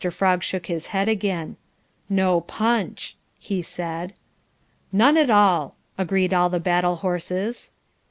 Frog shook his head again. "No PUNCH," he said. "None at all," agreed all the battle horses.